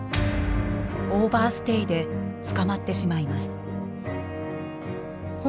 オーバーステイで捕まってしまいます。